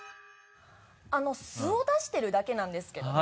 素を出してるだけなんですけどね。